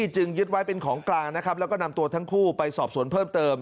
จึงยึดไว้เป็นของกลางนะครับแล้วก็นำตัวทั้งคู่ไปสอบสวนเพิ่มเติม